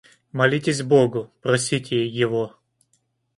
Молитесь Богу, просите Его.